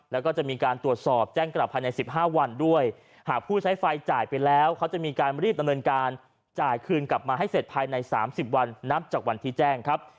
แล้วก็จะมีการตรวจสอบแจ้งกลับภายใน๑๕วันด้วยหากผู้ใช้ไฟจ่ายไปแล้วเขาจะมีการรีบดำเนินการจ่ายคืนกลับมาให้เสร็จภายใน๓๐วันนับจากวันที่แจ้งครับ